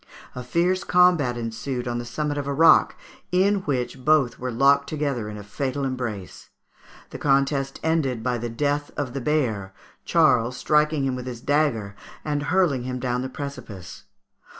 A fierce combat ensued on the summit of a rock, in which both were locked together in a fatal embrace. The contest ended by the death of the bear, Charles striking him with his dagger and hurling him down the precipice.